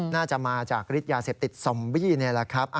น่าจะมาจากฤทธิยาเสพติดซอมบี้นี่แหละครับ